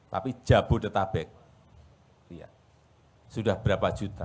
tapi jabodetabek sudah berapa juta